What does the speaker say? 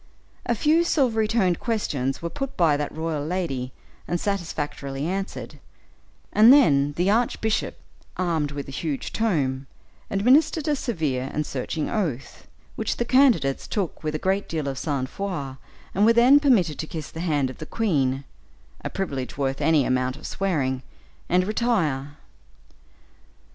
A few silvery toned questions were put by that royal lady and satisfactorily answered, and then the archbishop, armed with a huge tome, administered a severe and searching oath, which the candidates took with a great deal of sang froid, and were then permitted to kiss the hand of the queen a privilege worth any amount of swearing and retire.